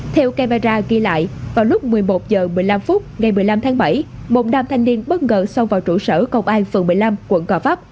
theo camera ghi lại vào lúc một mươi một h một mươi năm phút ngày một mươi năm tháng bảy một nam thanh niên bất ngờ xông vào trụ sở công an phường một mươi năm quận gò vấp